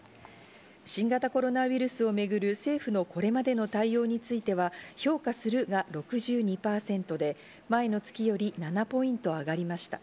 新型コロナウイルスをめぐる政府のこれまでの対応については、評価するが６２％で、前の月より７ポイント上がりました。